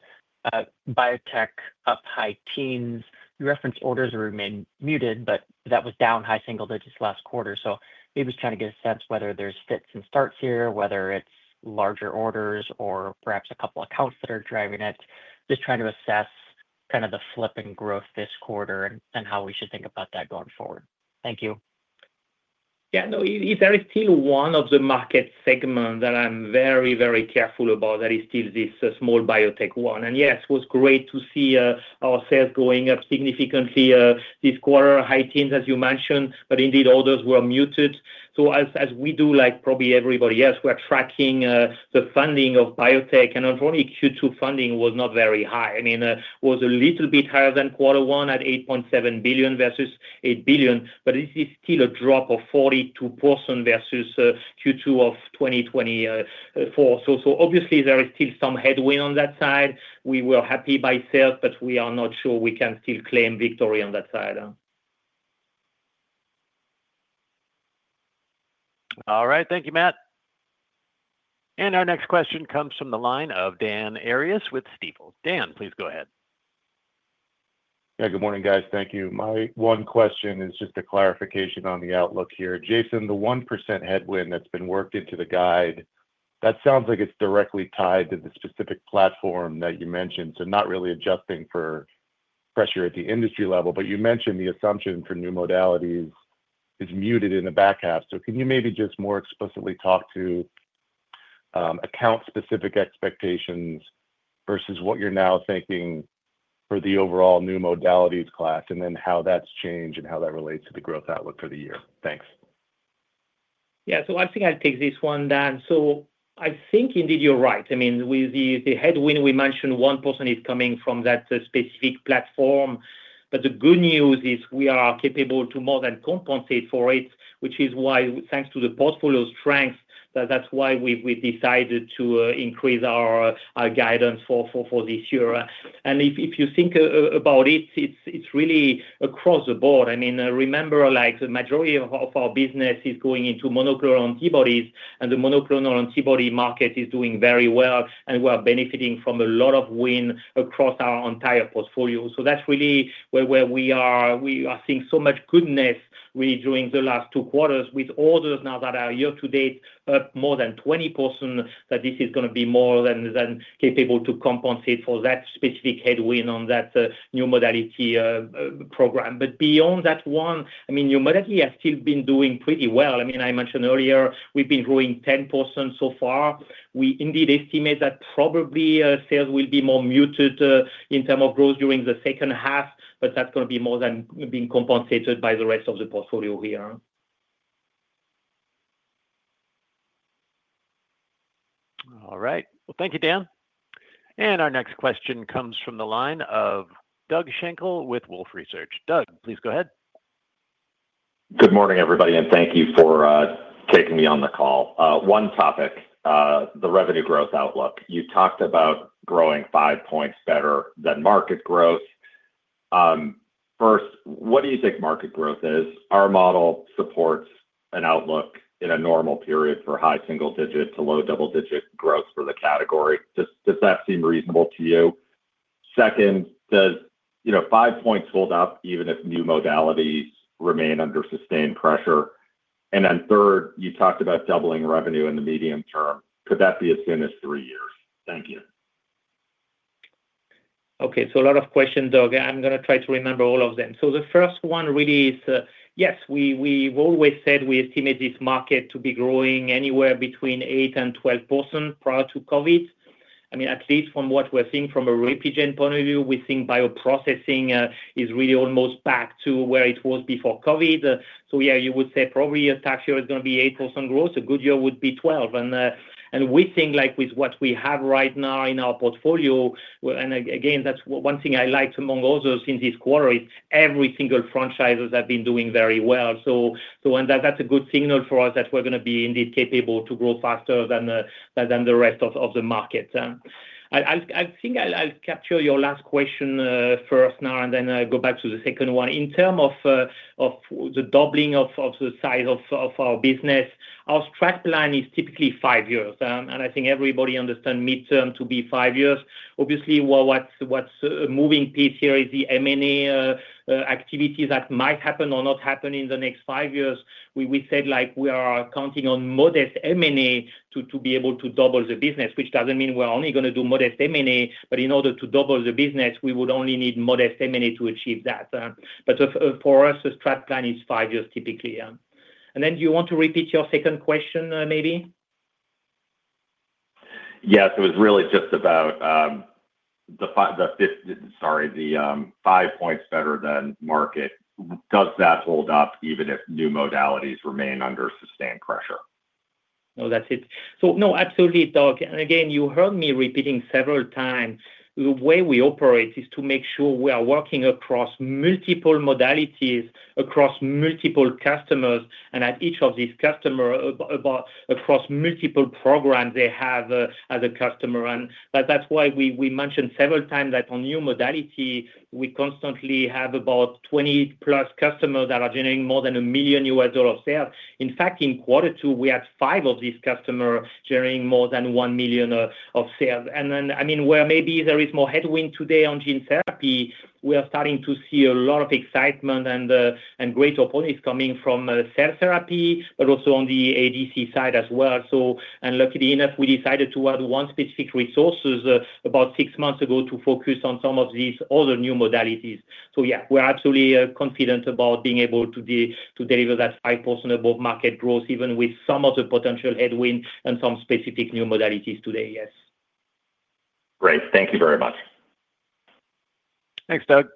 [SPEAKER 6] Biotech up high teens reference orders remain muted, but that was down high single digits last quarter. We was trying to get a sense whether there's fits-and-starts here, whether it's larger orders or perhaps a couple accounts that are driving it. Just trying to assess kind of the flip in growth this quarter and how we should think about that going forward. Thank you.
[SPEAKER 3] Yeah, no, there is still one of the market segments that I'm very, very careful about that is still this small-biotech one. Yes, it was great to see our sales going up significantly this quarter, high teens as you mentioned, but indeed orders were muted. As we do, like probably everybody else, we're tracking the funding of biotech. Q2 funding was not very high. I mean, it was a little higher than quarter one at $8.7 billion versus $8 billion, but it is still a drop of 42% versus Q2 of 2024. Obviously, there is still some headwind on that side. We were happy by sales, but we are not sure we can still claim victory on that side.
[SPEAKER 1] All right, thank you, Matt. Our next question comes from the line of Dan Arias with Stifel. Dan, please go ahead.
[SPEAKER 7] Yeah, good morning, guys. Thank you. My one question is just a clarification on the outlook here, Jason. The 1% headwind that's been worked into the guide sounds like it's directly tied to the specific platform that you mentioned, not really adjusting for pressure at the industry level. You mentioned the assumption for new modalities is muted in the back half. Can you maybe just more explicitly talk to account-specific expectations versus what you're now thinking for the overall new modalities class and then how that's changed and how that relates to the growth? Outlook for the year? Thanks.
[SPEAKER 3] Yeah. I think I'll take this one, Dan. I think indeed you're right. With the headwind we mentioned, one portion is coming from that specific platform. The good news is we are capable to more than compensate for it, which is why, thanks to the portfolio strength, we decided to increase our guidance for this year. If you think about it, it's really across the board. Remember the majority of our business is going into monoclonal antibodies, and the monoclonal antibody market is doing very well. We are benefiting from a lot of wind across our entire portfolio. That's really where we are seeing so much goodness during the last two quarters, with orders now that are year to date up more than 20%. This is going to be more than capable to compensate for that specific headwind on that New Modality program. Beyond that one, New Modality has still been doing pretty well. I mentioned earlier we've been growing 10% so far. We indeed estimate that probably sales will be more muted in terms of growth during the second half, but that's going to be more than being compensated by the rest of the portfolio here.
[SPEAKER 1] All right, thank you, Dan. Our next question comes from the line of Doug Schenkel with Wolfe Research. Doug, please go ahead.
[SPEAKER 8] Good morning, everybody, and thank you for taking me on the call. One topic, the revenue growth outlook. You talked about growing five points better than market growth. First, what do you think market growth is? Our model supports an outlook in a normal period for high-single-digit to low double-digit growth for the category. Does that seem reasonable to you? Second, does five points hold up even if new modalities remain under sustained pressure? Third, you talked about doubling revenue in the medium term. Could that be as soon as three years? Thank you.
[SPEAKER 3] Okay, so a lot of questions. I'm going to try to remember all of them. The first one really is, yes, we've always said we estimate this market to be growing anywhere between 8% and 12% prior to COVID. I mean, at least from what we're seeing from a Repligen point of view, we think bioprocessing is really almost back to where it was before COVID. You would say probably a tax year is going to be 8% growth. A good year would be 12%. We think like with what we have right now in our portfolio, and again, that's one thing I liked among others in this quarter, is every single franchise has been doing very well. That's a good signal for us that we're going to be indeed capable to grow faster than the rest of the market. I think I'll capture your last question first now and then go back to the second one. In terms of the doubling of the size of our business, our Strategic plan is typically five years. I think everybody understands midterm to be five years. Obviously, what's a moving piece here is the M&A activities that might happen or not happen in the next five years. We said we are counting on modest M&A to be able to double the business, which doesn't mean we're only going to do modest M&A. In order to double the business, we would only need modest M&A to achieve that. For us, a Strat plan is five years typically. And then. Do you want to repeat your second question?
[SPEAKER 8] Yes, it was really just about the five points. Better than market. Does that hold up even if new modalities remain under sustained pressure?
[SPEAKER 3] No, that's it. No, absolutely, Doug. You heard me repeating several times, the way we operate is to make sure we are working across multiple modalities, across multiple customers, and at each of these customers across multiple programs they have as a customer. That's why we mentioned several times that on new modalities we constantly have about 20+ customers that are generating more than $1 million sales. In fact, in quarter two we had five of these customers generating more than $1 million of sales. Where maybe there is more headwind today on gene therapy, we are starting to see a lot of excitement and great opportunities coming from cell therapy, but also on the ADC side as well. Luckily enough, we decided to add one specific resource about six months ago to focus on some of these other new modalities. We're absolutely confident about being able to deliver that 5% above market growth even with some of the potential headwind and some specific new modalities today. Yes. Great.
[SPEAKER 4] Thank you very much.
[SPEAKER 1] Thanks, Doug.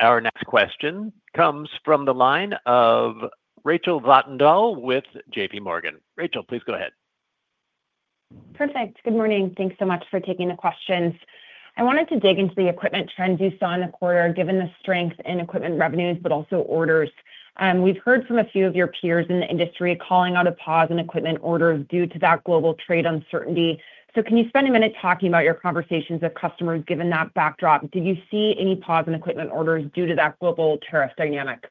[SPEAKER 1] Our next question comes from the line of Rachel Vatnsdal with JPMorgan. Rachel, please go ahead.
[SPEAKER 9] Perfect. Good morning. Thanks so much for taking the questions. I wanted to dig into the equipment trends you saw in the quarter, given the strength in equipment revenues, but also orders. We've heard from a few of your peers in the industry calling out a pause in equipment orders due to that global trade uncertainty. Can you spend a minute talking about your conversations with customers? Given that backdrop, did you see any pause in equipment orders due to that global tariff dynamic?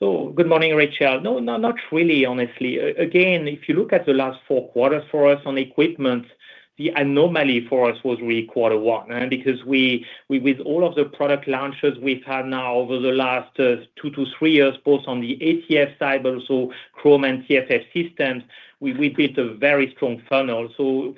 [SPEAKER 3] Good morning, Rachel. No, not really. Honestly, if you look at the last four quarters for us on equipment, the anomaly for us was really quarter one, because with all of the product launches we've had now over the last two to three years, both on the ATF side, but also Chromatography and TFF systems, we built a very strong funnel.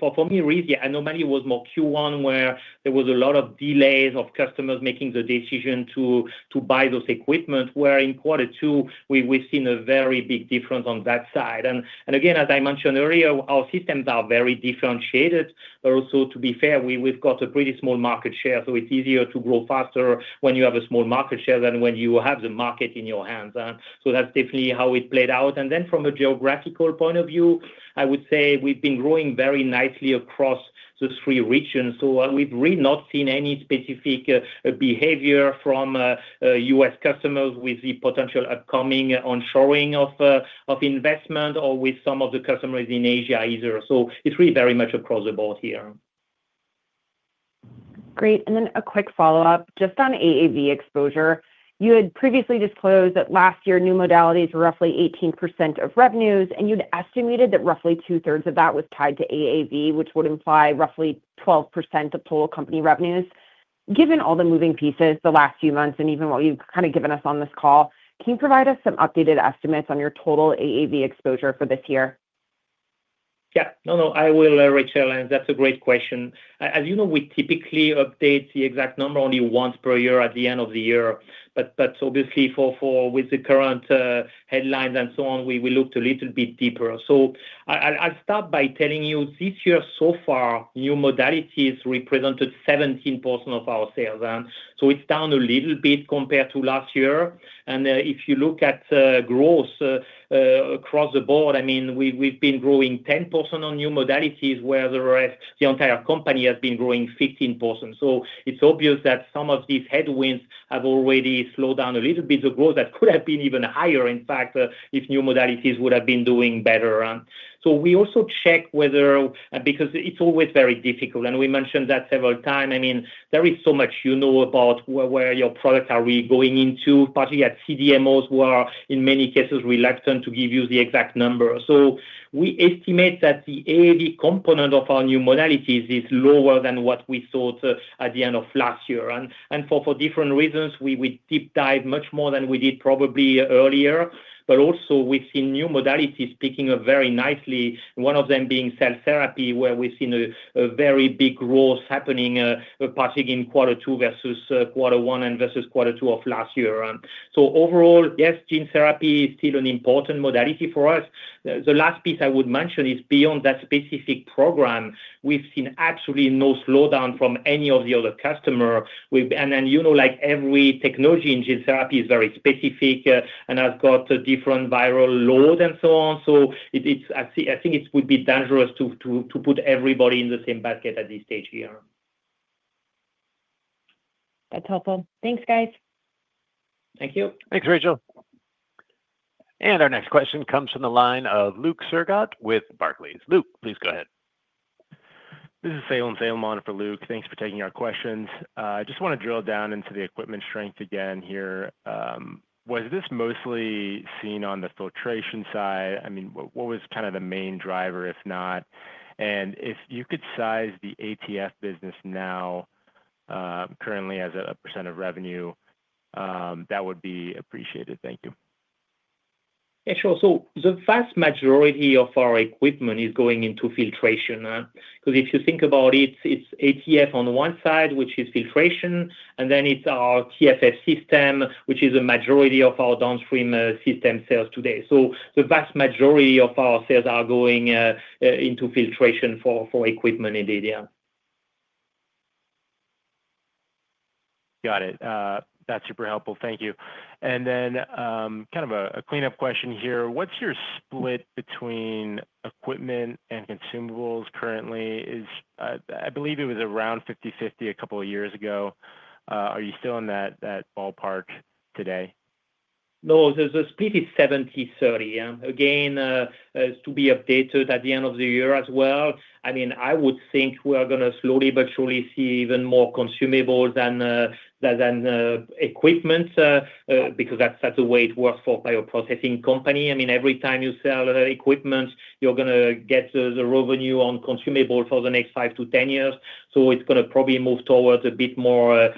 [SPEAKER 3] For me it was more Q1 where there was a lot of delays of customers making the decision to buy those equipment, where in quarter two we've seen a very big difference on that side. As I mentioned earlier, our systems are very differentiated, but also to be fair, we've got a pretty small market share. It's easier to grow faster when you have a small market share than when you have the market in your hands. That's definitely how it played out. From a geographical point of view, I would say we've been growing very nicely across the three regions. We've really not seen any specific behavior from U.S. customers with the potential upcoming onshoring of investments or with some of the customers in Asia either. It's really very much across the board here.
[SPEAKER 9] Great. A quick follow up just on AAV exposure. You had previously disclosed that last year new modalities were roughly 18% of revenues and you'd estimated that roughly two thirds of that was tied to AAV, which would imply roughly 12% of total company revenues. Given all the moving pieces the last few months and even what you've kind of given us on this call, can you provide us some updated estimates on your total AAV exposure for this year?
[SPEAKER 3] Yeah, no, I will, Rachel, and that's a great question. As you know, we typically update the exact number only once per year at the end of the year. Obviously, with the current headlines and so on, we looked a little bit deeper. I'll start by telling you, this year so far, new-modalities represented 17% of our sales. It's down a little bit compared to last year. If you look at growth across the board, we've been growing 10% on new modalities where the rest, the entire company, has been growing 15%. It's obvious that some of these headwinds have already slowed down a little bit. The growth could have been even higher, in fact, if new modalities would have been doing better. We also check whether, because it's always very difficult and we mentioned that several times. There is so much, you know, about where your product are. We are going into CDMOs, who are in many cases reluctant to give you the exact number. We estimate that the AAV component of our new-modalities is lower than what we thought at the end of last year. For different reasons, we deep dive much more than we did probably earlier. We've seen new modalities picking up very nicely, one of them being cell-therapy, where we've seen a very big growth happening, particularly in quarter two versus quarter one and versus quarter two of last year. Overall, yes, gene therapy is still an important modality for us. The last piece I would mention is beyond that specific program. We've seen absolutely no slowdown from any of the other customer. Every technology in gene-therapy is very specific and has got a different viral load and so on. I think it would be dangerous to put everybody in the same basket at this stage here.
[SPEAKER 9] That
[SPEAKER 8] 's helpful. Thanks, guys.
[SPEAKER 3] Thank you.
[SPEAKER 1] Thanks, Rachel. Our next question comes from the line of Luke Surgot with Barclays. Luke, please go ahead.
[SPEAKER 10] This is Salem Salemon for Luke. Thanks for taking our questions. I just want to drill down into the equipment strength again here. Was this mostly seen on the Filtration and Fluid Management side? I mean, what was kind of the main driver if not? If you could size the ATF systems business now currently as a percentage of revenue, that would be appreciated. Thank you.
[SPEAKER 3] Sure. The vast majority of our equipment is going into Filtration and Fluid Management because if you think about it, it's ATF systems on one side, which is filtration, and then it's our TFF systems, which is a majority of our downstream-system sales today. The vast majority of our sales are going into Filtration and Fluid Management for equipment. Indeed.
[SPEAKER 10] Yeah. Got it. That's super helpful. Thank you. Kind of a cleanup question here. What's your split between equipment and consumables currently? I believe it was around 50/50 a couple of years ago. Are you still in that ballpark today?
[SPEAKER 3] No, the split is 70:30, again to be updated at the end of the year as well. I mean, I would think we are going to slowly but surely see even more consumable than equipment because that's the way it works for a bioprocessing company. I mean, every time you sell equipment, you're going to get the revenue on consumable for the next 5-10 years. It's going to probably move towards a bit more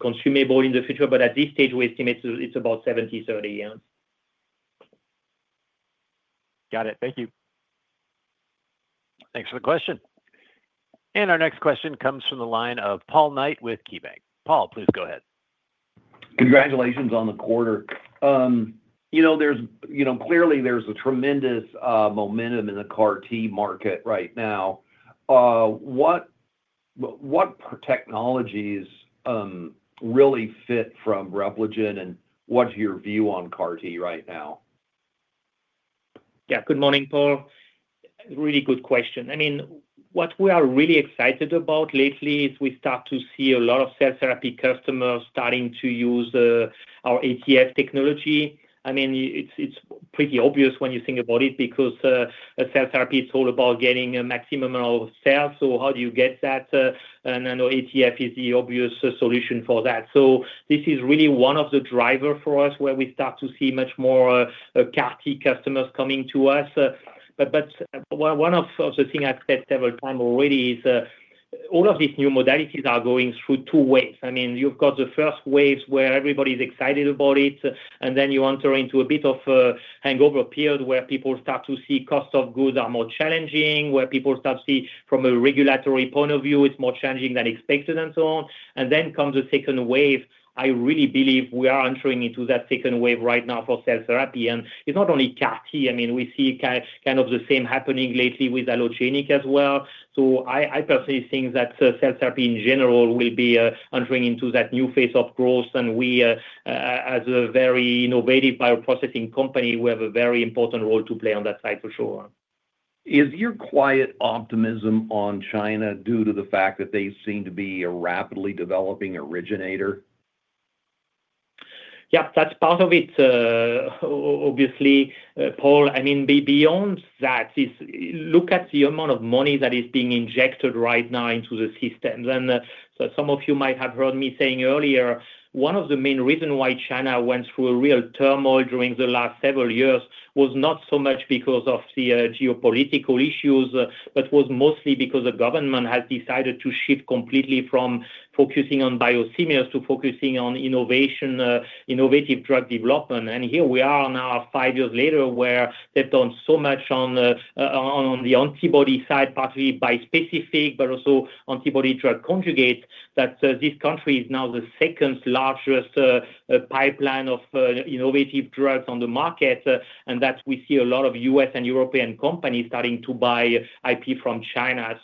[SPEAKER 3] consumable in the future. At this stage, we estimate it's about 70:30.
[SPEAKER 10] Got it. Thank you.
[SPEAKER 1] Thank you for the question. Our next question comes from the line of Paul Knight with KeyBanc. Paul, please go ahead.
[SPEAKER 11] Congratulations on the quarter. There's clearly a tremendous momentum in the CAR-T market right now. What technologies really fit from Repligen? What's your view on CAR-T right now?
[SPEAKER 3] Yeah, good morning, Paul. Really good question. What we are really excited about lately is we start to see a lot of cell therapy customers starting to use our ATF systems. It's pretty obvious when you think about it because cell therapy is all about getting a maximum of cells. How do you get that? ATF is the obvious solution for that. This is really one of the drivers for us where we start to see more CAR-T customers coming to us. One of the things I've said several times already is all of these new modalities are going through two waves. You've got the first wave where everybody's excited about it, and then you enter into a bit of a hangover period where people start to see cost of goods are more challenging, where people start to see from a regulatory point of view it's more challenging than expected, and so on. Then comes the second wave. I really believe we are entering into that second wave right now for cell-therapy. It's not only CAR-T. We see kind of the same happening lately with allogeneic as well. I personally think that cell therapy in general will be entering into that new phase of growth. We, as a very innovative bioprocessing company, have a very important role to play on that side for sure.
[SPEAKER 11] Is your quiet optimism on China due to the fact that they seem to be a rapidly developing, originating?
[SPEAKER 3] Yeah, that's part of it obviously, Paul. I mean, beyond that, look at the amount of money that is being injected right now into the system. Some of you might have heard me saying earlier, one of the main reasons why China went through a real turmoil during the last several years was not so much because of the geopolitical issues, but mostly because the government has decided to shift completely from focusing on biosimilars to focusing on innovation, innovative drug development. Here we are now five years later where they've done so much on the antibody side, partly bispecific but also antibody-drug conjugate, that this country is now the second largest pipeline of innovative drugs on the market and we see a lot of U.S. and European companies starting to buy IP from China.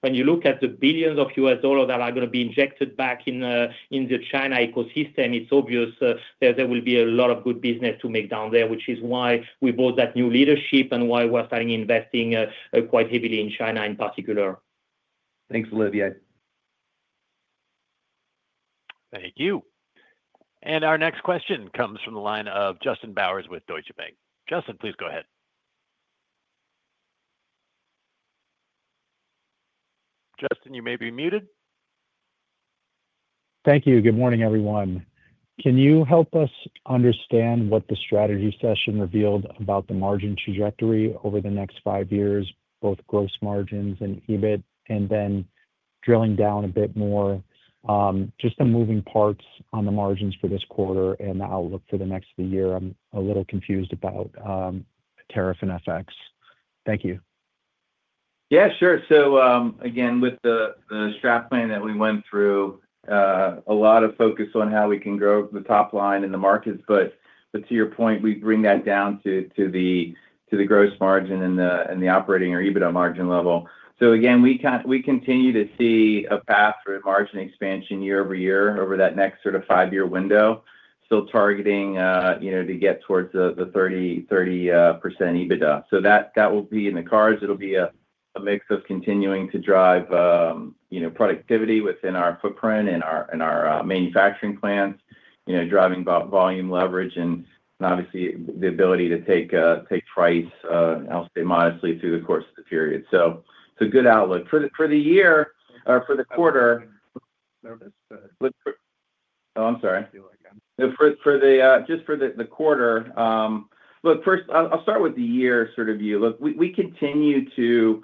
[SPEAKER 3] When you look at the billions of U.S. dollars that are going to be injected back in the China ecosystem, it's obvious that there will be a lot of good business to make down there, which is why we bought that new leadership and why we're starting investing quite heavily in China in particular.
[SPEAKER 4] Thanks Olivier.
[SPEAKER 1] Thank you. Our next question comes from the line of Justin Bowers with Deutsche Bank. Justin, please go ahead. Justin, you may be muted.
[SPEAKER 12] Thank you. Good morning, everyone. Can you help us understand what the strategy session revealed about the margin trajectory over the next five years, both gross margins and EBIT, and then drilling down a bit more, just the moving parts on the margins for this quarter and the outlook for the next of the year? I'm a little confused about tariffs and FX. Thank you.
[SPEAKER 4] Yeah, sure. Again, with the strat plan that we went through, a lot of focus on how we can grow the top line in the markets. To your point, we bring that down to the gross margin and the operating or EBITDA margin level. Again, we continue to see a path for margin expansion year-over-year over that next sort of five-year window. Still targeting to get towards the 30% EBITDA. That will be in the cards. It'll be a mix of continuing to drive productivity within our footprint and our manufacturing plants, driving volume leverage and obviously the ability to take price. I'll stay modestly through the course of the period. It's a good outlook for the year or for the quarter. Oh, I'm sorry, just for the quarter look. First, I'll start with the year-sort-of view. We continue to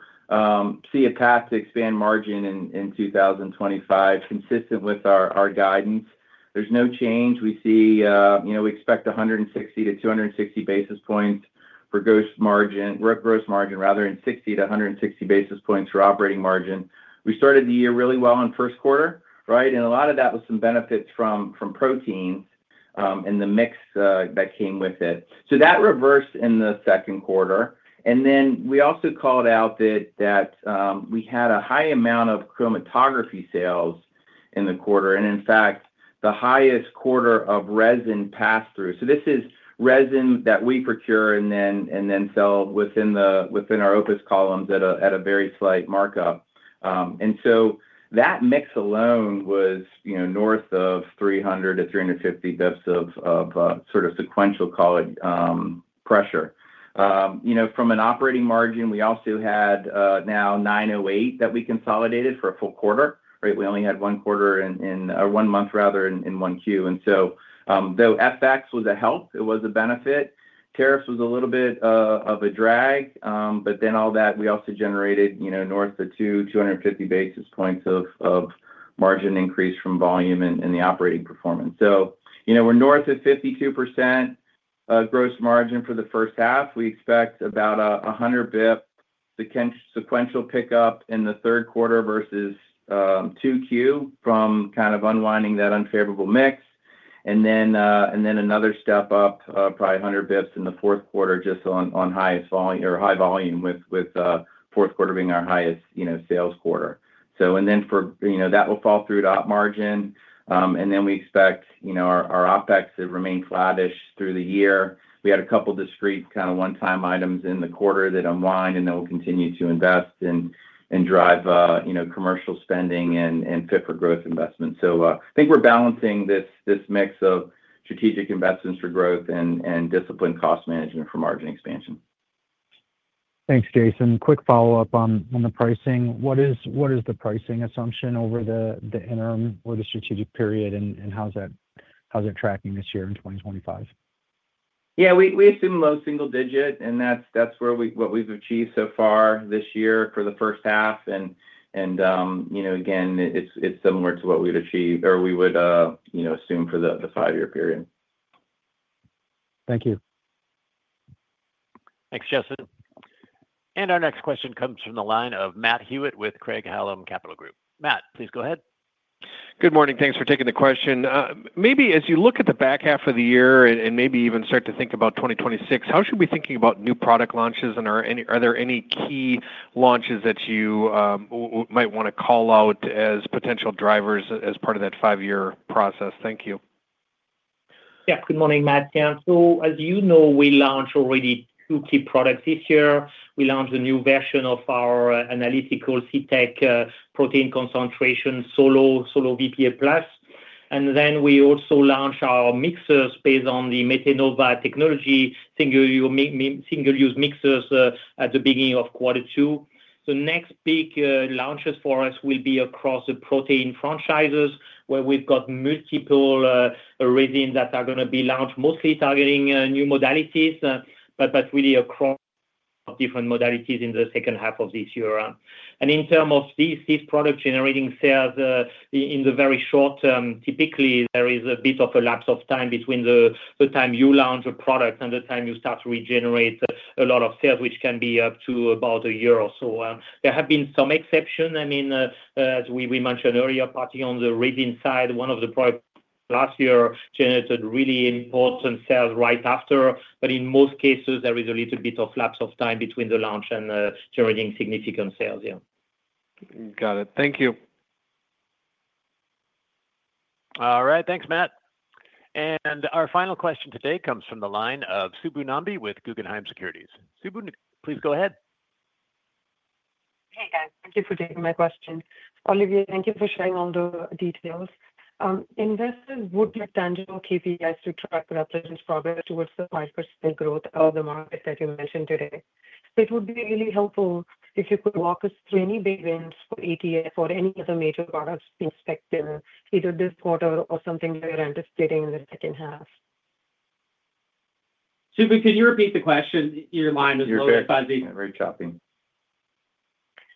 [SPEAKER 4] see a path to expand margin in 2025 consistent with our guidance. There's no change. We expect 160 to 260 basis points for gross margin, rather 60 to 160 basis points for operating margin. We started the year really well in first quarter. A lot of that was some benefits from protein and the mix that came with it. That reversed in the second quarter. We also called out that we had a high amount of Chromatography sales in the quarter and in fact the highest quarter of resin-pass through. This is resin that we procure and then sell within our Opus columns at a very slight markup. That mix alone was north of 300 to 350 bps of sort of sequential college pressure from an operating margin. We also had now 908 Devices that we consolidated for a full quarter. Right. We only had 1/4 in 1 month rather than in Q1. Though FX was a help, it was a benefit. Tariffs were a little bit of a drag. All that, we also generated north of 250 basis points of margin increase from volume and the operating performance. We're north of 52% gross margin for the first half. We expect about 100 bps sequential pickup in the third quarter versus 2Q from kind of unwinding that unfavorable mix. Then another step up, probably 100 bps in the fourth quarter just on higher volume, with fourth quarter being our highest sales quarter. That will fall through to top margin and we expect our OpEx to remain flattish through the year. We had a couple discrete kind of one-time items in the quarter that unwind and we'll continue to invest and drive commercial spending and fit-for-growth investment. I think we're balancing this mix of strategic investments for growth and disciplined cost management for margin expansion.
[SPEAKER 12] Thanks, Jason. Quick follow up on the pricing. What is the pricing assumption over the interim or the strategic period? How's that tracking this year in 2025?
[SPEAKER 4] Yeah, we assume low single digit, and that's what we've achieved so far this year for the first half. It's similar to what we'd achieved or we would assume for the five year period.
[SPEAKER 12] Thank you.
[SPEAKER 1] Thanks, Justin. Our next question comes from the line of Matt Hewitt with Craig-Hallum Capital Group. Matt, please go ahead.
[SPEAKER 13] Good morning. Thanks for taking the question. Maybe as you look at the back. Half of the year and maybe even start to think about 2026, how should we be thinking about new product launches, and are there any key launches that you might want to call out as potential? Drivers as part of that five-year process? Thank you.
[SPEAKER 3] Yeah. Good morning, Matt. As you know, we launched already two key products this year. We launched a new version of our Analytical Protein Concentration Solo, Solo VPA Plus. We also launched our mixers based on the Metenova technology, single-use mixers at the beginning of Q2. The next big launches for us will be across the Protein franchises where we've got multiple resins that are going to be launched, mostly targeting new modalities, but that's really across different modalities in the second half of this year. In terms of this product generating sales in the very short term, typically there is a bit of a lapse of time between the time you launch a product and the time you start to generate a lot of sales, which can be up to about a year or so. There have been some exceptions. I mean, as we mentioned earlier, partly on the resins side, one of the products last year generated really important sales right after. In most cases, there is a little bit of lapse of time between the launch and generating significant sales. Yeah
[SPEAKER 13] Got it. Thank you.
[SPEAKER 1] All right, thanks, Matt. Our final question today comes from the line of Subbu Nambi with Guggenheim Securities. Subbu, please go ahead.
[SPEAKER 14] Hey guys, thank you for taking my question. Olivier, thank you for sharing all the details. Investors would like tangible KPIs to track represent progress towards the 5% growth of the market that you mentioned today. It would be really helpful if you could walk us through any big wins for ATF systems or any other major products in Filtration and Fluid Management in either this quarter or something we're anticipating in the second half.
[SPEAKER 3] Subbu, could you repeat the question? Your line is very fuzzy, very choppy.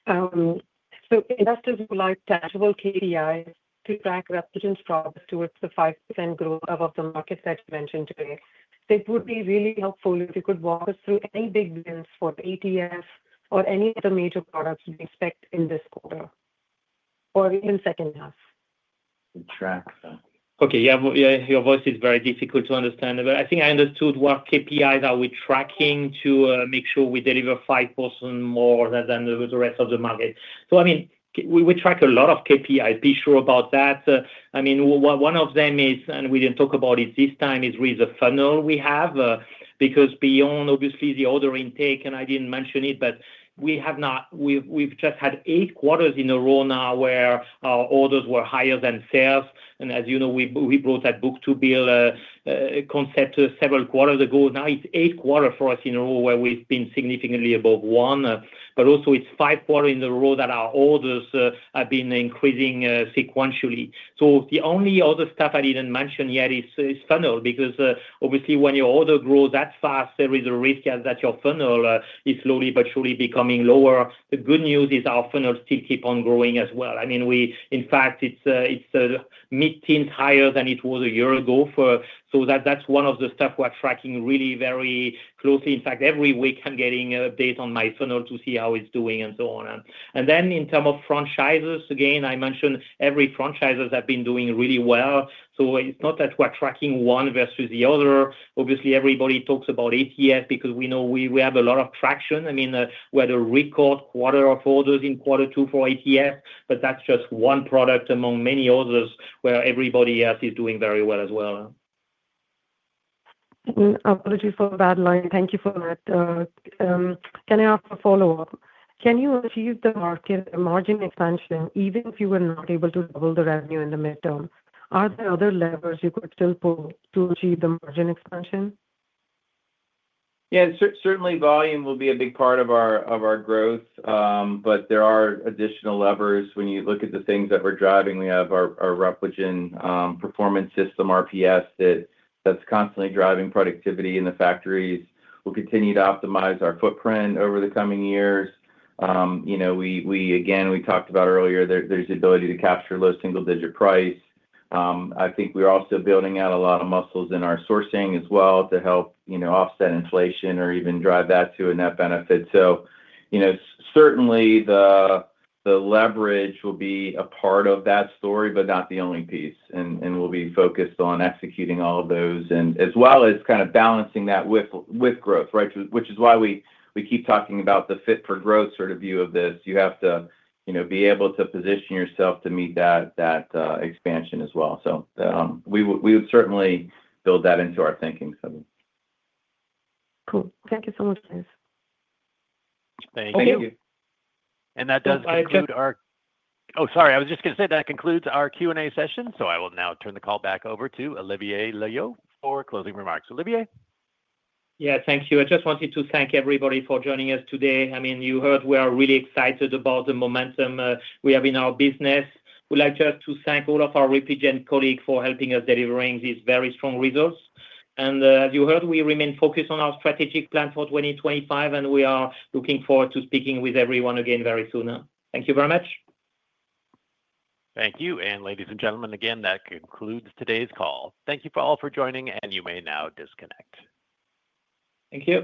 [SPEAKER 3] Investors would like tangible KPIs to track Repligen towards the 5% growth above the markets that you mentioned. It would be really helpful if you could walk us through any big wins for the ATF systems or any of the major products we expect in this quarter or even second half. Okay. Yeah, your voice is very difficult to understand, but I think I understood what KPIs are we tracking to make sure we deliver 5% more than the rest of the market. I mean we track a lot of KPI. Be sure about that. One of them is, and we didn't talk about it this time, is really the funnel we have because beyond obviously the order intake, and I didn't mention it, but we have not. We've just had eight quarters in a row now where our orders were higher than sales. As you know, we brought that Book to Bill concept several quarters ago. Now it's eight quarters for us in a row where we've been significantly above one. Also, it's five quarters in a row that our orders have been increasing sequentially. The only other stuff I didn't mention yet is funnel because, obviously, when your order grows that fast there is a risk that your funnel is slowly but surely becoming lower. The good news is our funnel still keeps on growing as well. In fact, it's mid-teens higher than it was a year ago. That's one of the stuff we're tracking really very closely. In fact, every week I'm getting updates on my funnel to see how it's doing and so on. In terms of franchises, again, I mentioned every franchise has been doing really well. It's not that we're tracking one versus the other. Obviously, everybody talks about ATF because we know we have a lot of traction. We had a record quarter of orders in Q2 for ATF. That's just one product among many others where everybody else is doing very well as well.
[SPEAKER 14] Apologies for the bad line. Thank you for that. Can I ask a follow-up? Can you achieve the Market Margin Expansion even if you were not able to double the revenue in the midst of. Are there other levers you could still pull to achieve the margin expansion?
[SPEAKER 4] Yeah, certainly volume will be a big part of our growth, but there are additional levers. When you look at the things that we're driving, we have our Repligen Performance System, RPS, that's constantly driving productivity in the factories. We'll continue to optimize our footprint over the coming years. As we talked about earlier, there's the ability to capture low single-digit product price. I think we're also building out a lot of muscles in our sourcing as well to help offset inflation or even drive that to a net benefit. Certainly, the leverage will be a part of that story, but not the only piece. We'll be focused on executing all of those as well as kind of balancing that with growth, which is why we keep talking about the Fit-for-Growth sort of view of this. You have to be able to position yourself to meet that expansion as well. We would certainly build that into our thinking.
[SPEAKER 14] Cool. Thank you so much.
[SPEAKER 1] Thank you. That does conclude our—oh, sorry. I was just going to say that. concludes our Q&A session. I will now turn the call back over to Olivier Loeillot for closing remarks. Olivier?
[SPEAKER 3] Yeah, thank you. I just wanted to thank everybody for joining us today. I mean, you heard, we are really excited about the momentum we have in our business. We'd like to thank all of our Repligen colleagues for helping us delivering these very strong results. As you heard, we remain focused on our Strategic Plan for 2025 and we are looking forward to speaking with everyone again very soon. Thank you very much.
[SPEAKER 1] Thank you. Ladies and gentlemen, that concludes today's call. Thank you all for joining and you may now disconnect. Thank you.